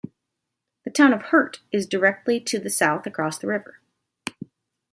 The town of Hurt is directly to the south across the river.